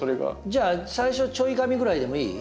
じゃあ最初ちょいがみぐらいでもいい？